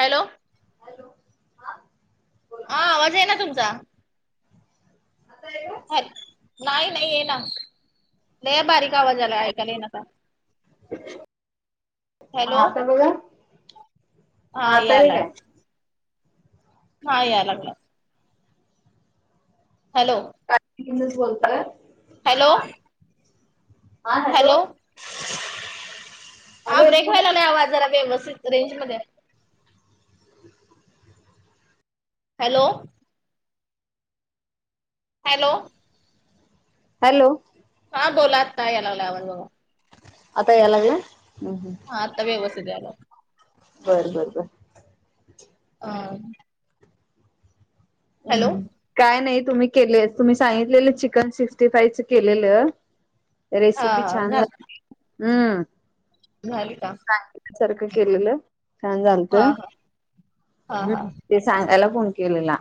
Hello hello हा बोला हा आवाज आहे ना तुमचा आता आहे का? ह नाही नाही ये ना नाही बारीक आवाज आला ऐकायला ये ना आता हॅलो हा आता बघा हा तरी काय हा याय लागला हॅलो का बोलतय हॅलो हा हॅलो हा हॅलो ब्रेक येतोय का? व्हायला नाही वाजाला व्यवस्थित रेंज मध्ये हॅलो हॅलो हॅलो हा बोलात का या लावला आवड बघ आता येलाग हम्म हम् मता व्यवस्थितला बर बर बर ह म काय नाही तुम्ही केले तुम्ही सांगितलेले चिकन सिक्स्टी फाईव च केलेलं हा रेसिपी हा छानते हम्म झाल का सारखं केलेलं छान हा झालतं. हा ह हा हा ते सांगायला फोन केलेला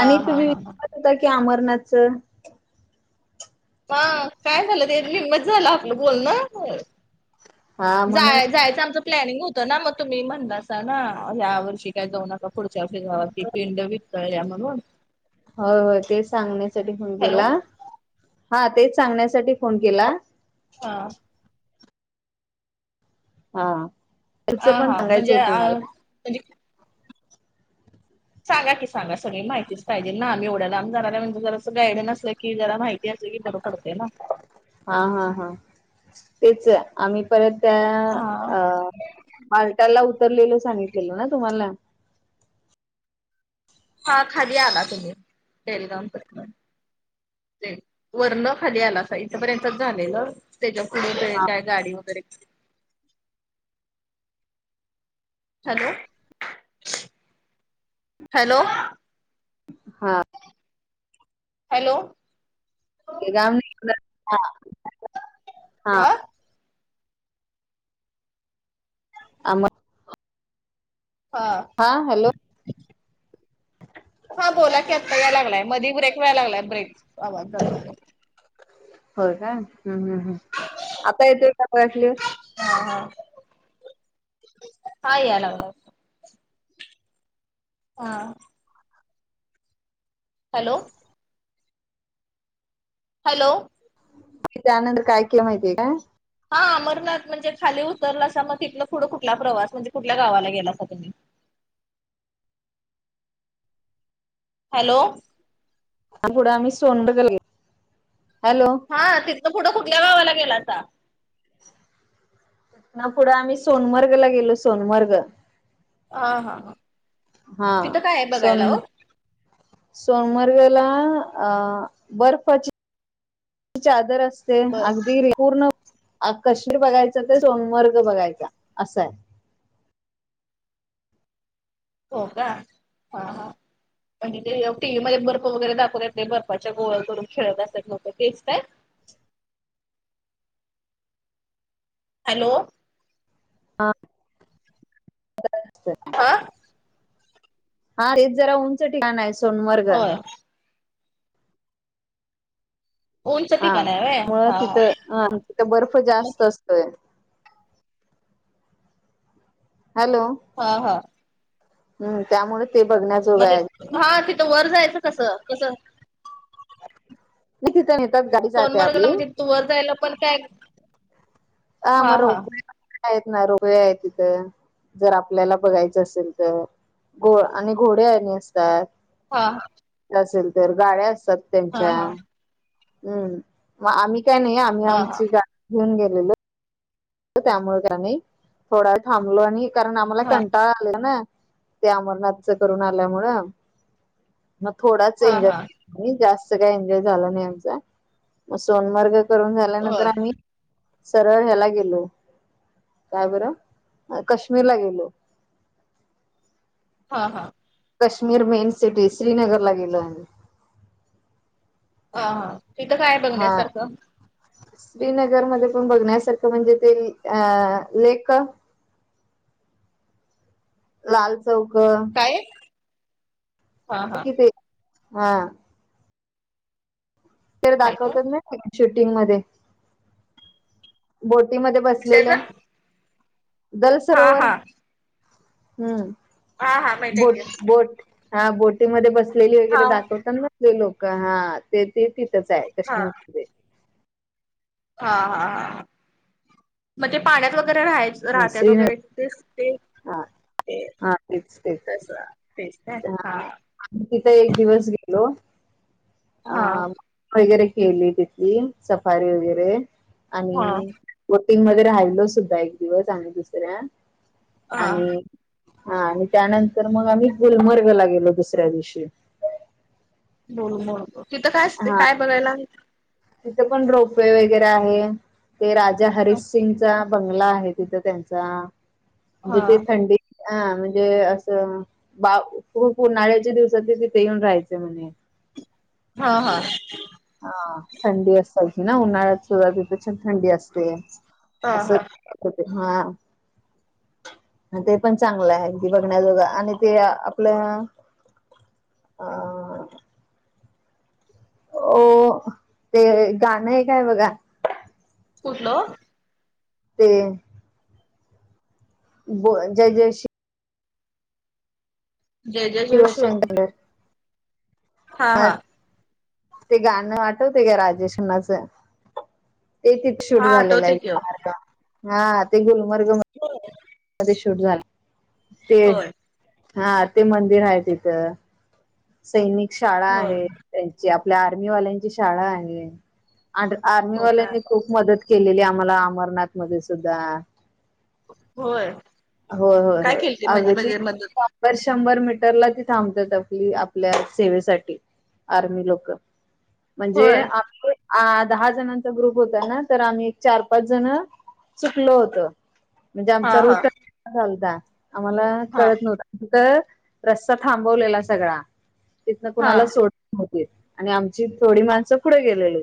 आणि हा तुम्हीच. हा होता की अमरनाथचं. हा काय झालं ते निम्मच झाला आपलं बोल ना. हा जा म्हणून जायचं आमच. प्लॅनिंग होत ना मग तुम्ही म्हणतासा ना या वर्षी काय जाऊ नका. पुढच्या वर्षे आपल्या गावातली [unintelligible] पिंड विकतळल्या म्हणून हो होय तेच सांगण्यासाठी फोन हॅलो केला हा तेच सांगण्यासाठी फोन केला. हा हा खरच हा पण [inaudible] हा म्हणजे सांगायचं अ होतु मला म्हणजे. सांगा की सांग सगळी माहितीच पाहिजेल ना आम्ही एवढ्या लांब जाणार आहे म्हणजे जरासं गायडन असलं की. की जरा माहिती असेल कि बर पडते ना. हा हा हा तेच आम्ही परत हा अ. पाल्टाला उतरलेलं सांगितलेलं ना तुम्हाला. हा खाली आला तुम्ही टरगाम पर्यंत. वरण खाली आला इथपर्यंतच झालेलं त्याच्या पुुढे हा काय गाडी वगैरे. Hello hello. हा. हॅल. गम हा [unintelligible] हा आमर. हा. हां हॅलो. हा बोला की आता याय लागलाय मदी ब्रेक व्याला लागय ब्रेक आवाज जरास. हो का हम् हम् हम् आता येतोय का बघा क्लियर. हा हा हा यायला लागलाय. हा. हॅलो. हॅलो. त्या नंतर काय केलं माहिती हाय काय. हा अमरनाथ म्हणजे खाली उतरलासा मग तथ पुढं कुठला प्रवास म्हणजे कुठल्या गावाला गेलासा तुम्ही. हॅलो. आणि पुढं आम्ही सोंडल गेलो हॅलो. हा तिथलं पुुटं कुठल्या गावाला गेला सा. ना पुढं आम्ही सोनमर्गला गेलो सोनमर्ग. हा हा हा. हा तिथं काय आहे बघायला सोन. ओ? सोनमर्गला अ बर्फाची. चादर असते. ते बर अगदी री पूर्ण आ कशमीर बघायचं ते सोनमर्ग बघायचा असं आहे. हो का हा हा. म्हणजे ते टी व्ही मध्ये बर्फ वगैरे दाखवून येत ते बर्फच्या गोळ करून खेळत असतात मग ते तेचतकाय. हॅलो. हा [inaudible] हा. हा तेच जरा उंच ठिकाण आहे सोनमर्ग. होय उंच हा ठिकाण आहे व्हय मग हा हा. तिथं तिथं बर्फ मग जास्त असतोय. हॅलो. हा हा. हम् त्यामुळे ते बघण्या जोगा म्हणजे आहेत हा तिथं वर जायचं कसं कसं मी तिथे नेतात गाडी जाते आपली त वर जायला पण काय ह हा मग हा रोपवेैरे आहेत ना रोपवे आहेत तिथे जर आपल्याला बघायचं असेल तर घो आणि घोडे्या आणि असतात हा असेल तर गाड्या असतात हा त्यांच्या हा हम् मग आम्ही काय नाही आी हा आमची गाडी घेऊ गेलेलो त्यामुळे त्यानी थोडा थांबलो आणि कारण आम्हाला हा कंटाळ आले ना ते अमरनाथच करून आल्यामुळं मग थोडाच हा एंजॉय हा आणि जास्त काय एन्जॉय झाला नाही आमचा मग सोनमर्ग करून झाल्यानंतर होय आम्ही सरळ ह्याला गेलो काय बरं काश्मीरला गेलो हा हा काश्मीर मेन सिटी श्रीनगर ला गेल ह हा तिथं काय बघण्यासारखं श्रीनगर मध्ये पण बघण्यासारखं म्हणजे ते अ लेख लाल चौक काय हा हा तिथे हा तर हाय का दाखवतो ना शूटिंग मध्ये बोटीमध्येध्ये कशाचा बसलेलं दल हा सरोवर हा हम्म हा हा माहित आहे बोट की बोट हा बोटीमध्ये बसलेली हा वगैरे दाखवतात ना ते लोक हा ते ते तिथंच आहे हा कश्मीर हा हा ह म्हणजे पाण्यात वगैरे राहायच राहत्यात वगैरे श्रीनगर तेच ते हा ते हा तेच तस तेच हा आ् तिथं एक दिवस गेलो अ हा वगैरे केली तिथली सफारी वगैरे आणि हा वोटिंग मध्ये राहिलो सुद्धा एक दिवस आणि् दुसऱ्या हा आणि हा आणि त्यानंतर मग आम्ही गुलमर्गला गेलो दुसऱ्या दिवशी ब ब तिथं काय असते काय बघायला तिथे पण रोपवे वगैरे आहे ते राजा हरीश सिंगचा बंगला आहे तिथ त्यांचा हा जिथे थंडी अा म्हणजे असं बा खूप उन्हाळ्याच्या दिवसात तिथे येऊन राहायचें म्हणे हा हा हा थंडी असा ना उन्हाळ्यात सुरुवाती प छान थंडी असते हा असं हा हो हा ते पण चांगलं आहे अदी बघण्याजोगा आणि ते आपलं ह हो ते गाणं आहे काय बघा कुठलं ते ब जय जय श्री जय जय जश शिवशंकर अ हा ते गाणं वाठवते का राजेश खन्नाचे ते तिथ शूट हा झालेलं आठवते की ओ आहे अर्धा आ ते गुलमर्ग बरोबर मध्ये शूट झाला ते हा ते मंदिर आहे तिथं सैनिक शाळा होय आहे त्यांची आपल्या आर्मीवाल्यांची शाळा आहे आड हो काय आर्मीवाल्यांनी खूप मदत केलेली आम्हाला अमरनाथ मध्ये सुद्धा. होय होय. होय. काय होय. केलती म्हणजे अगदी म्हणजे मदत दर शंभर मीटरला ती थांबत्यात आपली आप आपल्या सेवेसाठी आर्मी लोक म्हणजे होय आमी अ दहा जणांचा ग्रुप होता ना तर आम्ही एक चार पाच जण चुकलो होतो. म्हणजे हा आमचा हा रूट [unintelligible] झालता. आम्हाला हा कळत नव्हत. तिरं रस्ता थांबवलेला सगळा. तिथन हा कुणाला सोडत नव्हतीतं आणि आमची थोडी माणसं पुढे गेलेलीत.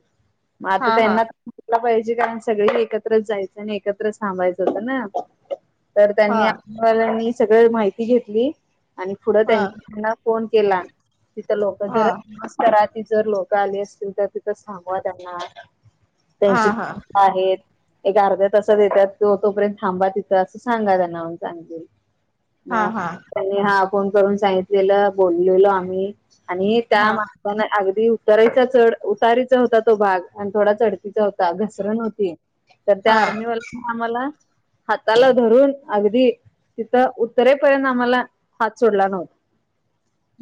हा आता हा त्यांना - - तुला पाहिजे कारण सगळे एकत्र जायचं आणि एकत्रचं थांबायचं होत ना. तर हा त्यांनी आर्मीवाल्यांनी सगळ माहिती घेतली आणि पुढं हा त्यांना फोन केला. तिथं लोक हा जर [unintelligible] ती जर लोक आली असतील तर तिथं थांबवा त्यांना. हा हा त्यांची आहेत. एक अर्ध्या तासात येतात तो तोपर्यंत थांबा तिथं असं सांगा त्यांना म्हणुन सांगितलेल. हा मग हा त्यानी हा फोन करून सांगितलेलं. बोललेलो आम्ही आणि त्या हा मा पण अगदी उतारीचा चढ उतारीचा होता तो भाग आणि थोडा चढतीचा होता घसरण होती. तर त्या हा आर्मीवाल्यानी आम्हाला हाताला धरून अगदी तिथं उत्तरेपर्यंत आम्हाला हात सोडला नव्हता.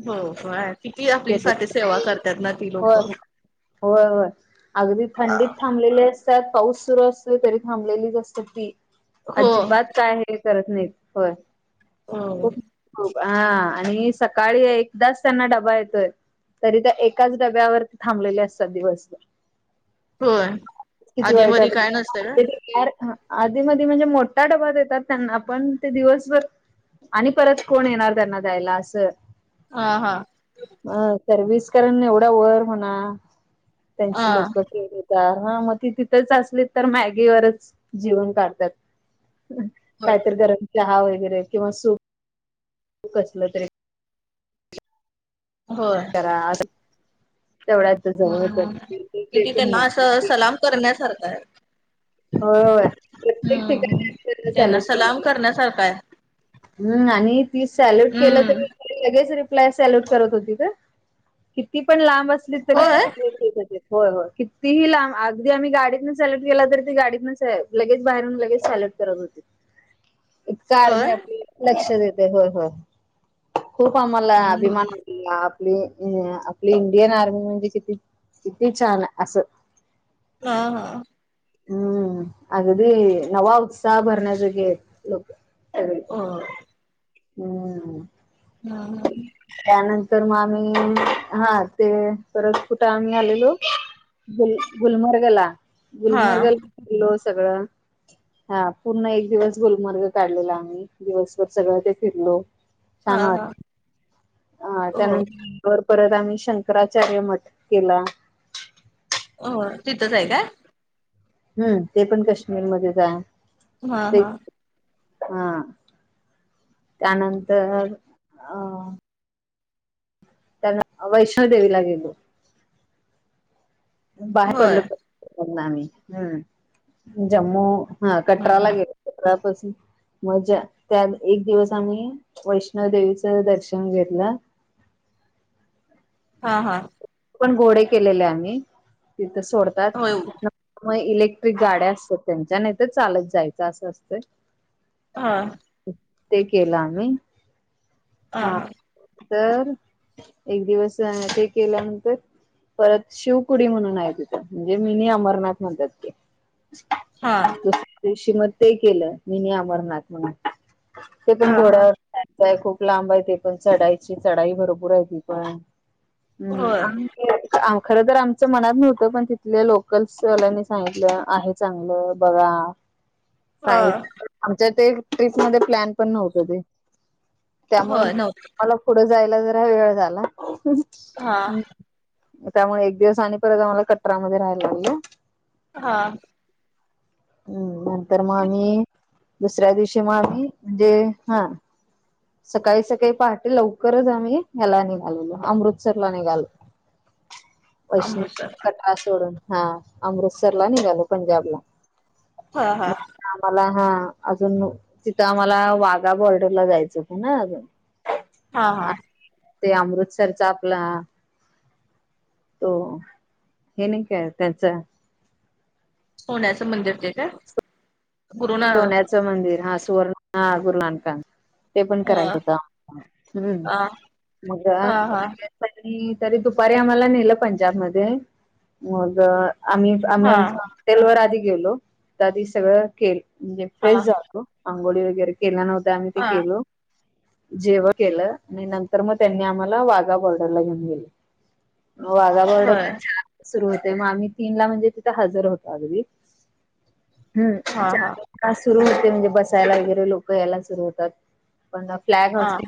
हो काय किती आपली साती नव्हता सेवा करतात ना. ती होय. लोक होय, होय. अगदी थंडीत थांबलेली अस - - त्यात पाऊस सुरु असतोयं तरी थांबलेलीच असत्यात ती. हो अजिबात काय ते करत नाहीत. होय. हं. खूप खूप हा आणि सकाळी एकदाच त्यांना डबा येतोय, तरी त्या- - एकाच डब्यावरती थांबलेले असतात दिवसभर. होय किती वाईट आधीमधी काय नसतय का [unintelligible] आधी मधी म्हणजे मोठा डबा देतात त्यांना पण, ते दिवसभर - - आणि परत कोण येणार त्यांना द्यायला असं. हा. हा. अ सरविस करण एवढ वर म्हणा हा त्यांची लोक- - [unintelligible] हं मग ती तिथंच असली तर मॅगीवरच जीवुण काढत्यात. होय काहीतरी गरम चहा वगैरे किंवा सूप असलं तरी. होय. करा तेवढा ह, हम. किती त्यांना असं सलाम - - करण्यासारख हाय. होय होय प्रत्येक हं. ठिकाणी आम्ही त्यांना सलाम - - करण्यासारखा हाय. हम् आणि ती सॅल्यूट केलं हम्म तरी, लगेच रि प्लाय सेल्यूट करत होती हं किती पण लांब असली तरी ते होय सेल्यूट देत होतीत. होय. होय. कितीही लांब अगदी आम्ही गाडीतनं सेल्युट केला तर, ते गाडीत न लगेच बाहेरून लगेच सेलेक्ट करत होते. इतकं आर्मी होय अ लक्ष देतयं. होय. होय. खूप आम्हाला हम्म अभिमान अ आपली आपली इंडियन आर्मी म्हणजे किती किती छान असं. हा. हा. हम्म. अगदी नवा उत्साह भरण्या जोगी हाईत लोक सगळी. अ हम्. हम् ह. त्यानंतर म आम्ही हा ते परत कुठे आम्ही आलेलो? गुल गुलमर्गला हा गुलमर्गला खोललो सगळं हा पूर्ण एक दिवस गुलमर्ग काढलेला आम्ही दिवसभर सगळं ते फिरलो ान वा हा अ हो त्यानंतरवर परत आम्ही शंकराचार्य मठ केला हो तिथंच आहे का हम्म ते पण काश्मीरमध्येध्ये जा आहे हा ते हा हा त्यानंतर अ वैष्णो देेवीला गेलो बाहेर होय पडलो आम्ही हम् जम्मू हा कटराला गेलो पस मजा त्यात एक दिवस आम्ही वैष्णव देेवीचं दर्शन घेतलं हा हा पण घोडे केलेले आम्ही तिथं सोडतात होय त मग इलेक्ट्रिक गाड्या असतात त्यांच्या नाही तर चालत जायचं असं असतं हा ते केलं आम्ही हा तर एक दिवस ते केल्या परत शिवकुडी म्हणून आहे तिथं म्हणजे मिनी अमरनाथ म्हणतात ते हा दिवशी म ते केलं मीनी अमरनाथ म्हणून ते हा पण हा घोड्यावर य खूप लांब आहे ते पण चढायची चढाई भरपूर आहे ती पण हम्म होय ह खरं तर आमचं मनात नव्हतं पण तिथले लोकल्सल्यांनी सांगितलं आहे चांगलं बघा ह आमच्या ते ट्रिप मध्ये प्लॅन पण नव्हत ते त्यामुळे होय नव्हतं मला पुढे जायला जरा वेळ झाला हा त्यामुळे एक दिवस आणि परत आम्हाला कटरामध्येध्ये राहायला लाग हा हम्म नंतर मग आम्ही दुसऱ्या दिवशी मग आम्ही म्हणजे हा सकाळी सकाळी पहाटे लवकरच आम्ही याला निघालेलो अमृतसरला निघालो वैष्ण अमृतसर कटरा सोडून हा अमृतसर ला निघालो पंजाबला हा हा मग आम्हाला हा अजून तिथं आम्हाला वाघा बॉर्डरला जायचं हो हो ना अजून हा हा आणि ते अमृतसरच आपलं त हे नाही काय त्यांच सोण्याचं मंदिर ते काय पुरुना सोन्याचं मंदिर हा सुवर्ण हा गुरलानकाां ते पण ह करायचं होतं हम् हा हा मग हा तरी दुपारी आम्हाला नेलं पंजाब मध्ये मग आम्ही आम्ही हा आमच्या हॉटेलवरर आधी गेलो तर आधी सगळं केल म्हणजे फ्रेश हा जातो पांगोळी वगैरे केल्या नव्हत्या आम्ही ते हा केलो जेवण केलं आणि नंतर मग त्यांनी आम्हाला वाघा बॉर्डरला घेऊन गेले ह मग वाघा बर्ड होय सुरु होते मग आम्ही तीन ला म्हणजे तिथं हजर होतो अगदी हम् हा हा च सुरू होते म्हणजे बसायला वगैरे लोक यायला सुरू होतात प फ्लॅग हा हॉस्ट